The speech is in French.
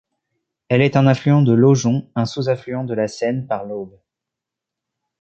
Elle est un affluent de l'Aujon, un sous-affluent de la Seine par l'Aube.